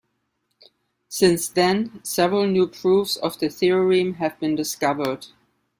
Since then, several new proofs of the theorem have been discovered.